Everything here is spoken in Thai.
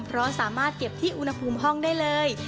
เพราะสามารถเก็บที่อุณหภูมิห้องได้เลย